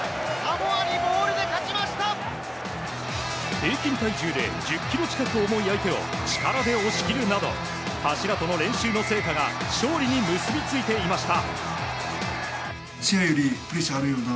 平均体重で１０ｋｇ近く重い相手を力で押し切るなど柱との練習の成果が勝利に結び付いていました。